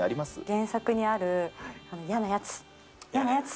原作にある、やなやつ、やなやつ！